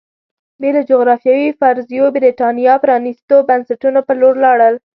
بې له جغرافیوي فرضیو برېټانیا پرانېستو بنسټونو په لور لاړل